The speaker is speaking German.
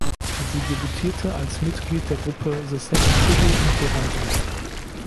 Sie debütierte als Mitglied der Gruppe "The Second City" in Toronto.